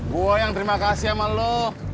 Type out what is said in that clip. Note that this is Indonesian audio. gue yang terima kasih sama lo